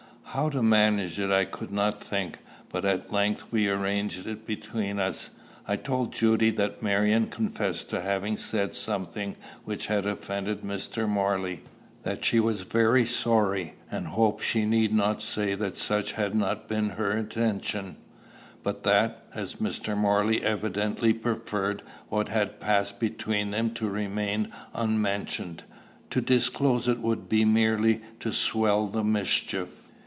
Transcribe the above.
How to manage it I could not think. But at length we arranged it between us. I told Judy that Marion confessed to having said something which had offended Mr. Morley; that she was very sorry, and hoped she need not say that such had not been her intention, but that, as Mr. Morley evidently preferred what had passed between them to remain unmentioned, to disclose it would be merely to swell the mischief.